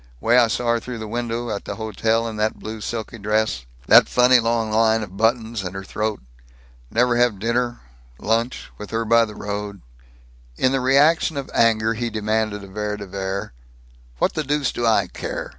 Way I saw her through the window, at that hotel, in that blue silky dress that funny long line of buttons, and her throat. Never have dinner lunch with her by the road " In the reaction of anger he demanded of Vere de Vere, "What the deuce do I care?